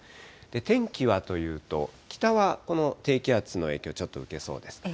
天気はというと、北はこの低気圧の影響、ちょっと受けそうです。